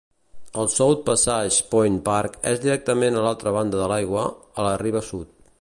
El South Passage Point Park és directament a l'altra banda de l'aigua, a la riba sud.